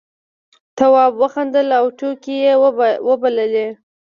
تواب وخندل او ټوکې یې وبللې.